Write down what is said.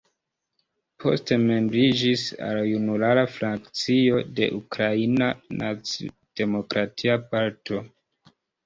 Poste membriĝis al Junulara Frakcio de Ukraina Naci-Demokratia Partio.